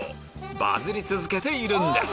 バズり続けているんです